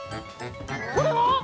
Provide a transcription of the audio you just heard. これは？